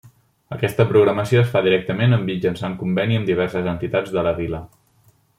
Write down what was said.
Aquesta programació es fa directament o mitjançant conveni amb diverses entitats de la Vila.